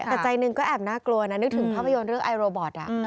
แต่ใจหนึ่งก็แอบน่ากลัวนะนึกถึงภาพยนตร์เรื่องไอโรบอท